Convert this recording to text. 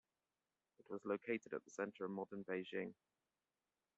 It was located at the center of modern Beijing.